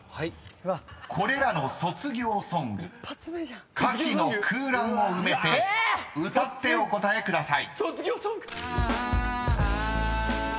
［これらの卒業ソング歌詞の空欄を埋めて歌ってお答えください］